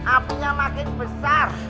apinya makin besar